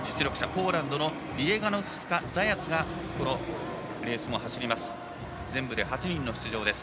ポーランドのビエガノフスカザヤツこのレースも走ります。